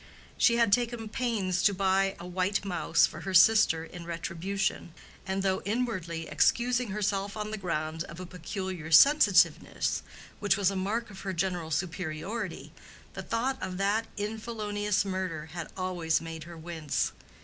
She had taken pains to buy a white mouse for her sister in retribution, and though inwardly excusing herself on the ground of a peculiar sensitiveness which was a mark of her general superiority, the thought of that infelonious murder had always made her wince.